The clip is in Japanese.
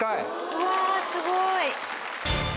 うわすごい！